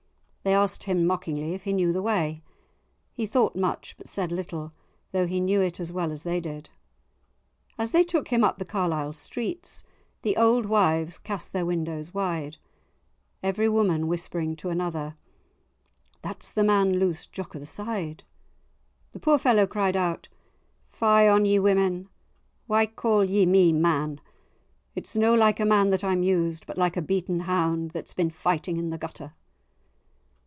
They asked him mockingly if he knew the way. He thought much, but said little, though he knew it as well as they did. As they took him up the Carlisle streets, the old wives cast their windows wide, every woman whispering to another, "That's the man loosed Jock o' the Side." The poor fellow cried out, "Fie on ye, women! why call ye me man? It's no like a man that I'm used, but like a beaten hound that's been fighting in the gutter."